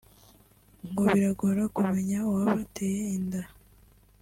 ngo birabagora kumenya uwabateye inda